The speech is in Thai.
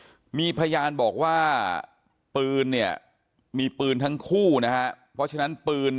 อายุ๑๐ปีนะฮะเขาบอกว่าเขาก็เห็นถูกยิงนะครับ